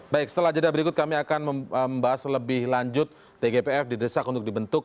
baik setelah jeda berikut kami akan membahas lebih lanjut tgpf didesak untuk dibentuk